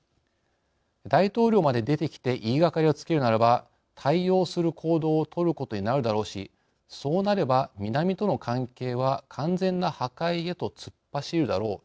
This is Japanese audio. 大統領まで出てきて言いがかりをつけるならば対応する行動をとることになるだろうしそうなれば南との関係は完全な破壊へと突っ走るだろう。